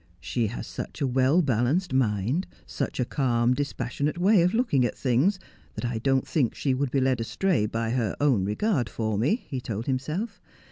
' She has such a well balanced mind, such a calm, dispassion ate way of looking at things, that I don't think she would be led astray by her own regard for me,' he told himself.